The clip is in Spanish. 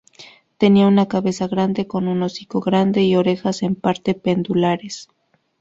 Tenía una cabeza grande con un hocico grande y orejas en parte pendulares.